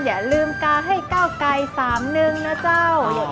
อย่าลืมกาให้เก้าไก่สามหนึ่งนะเจ้า